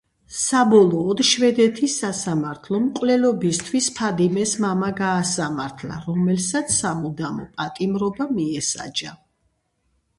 საბოლოოდ, შვედეთის სასამართლომ მკვლელობისთვის ფადიმეს მამა გაასამართლა, რომელსაც სამუდამო პატიმრობა მიესაჯა.